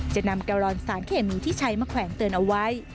จะนำแกลลอนสารเคมีที่ใช้มาแขวนเตือนเอาไว้